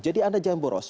jadi anda jangan boros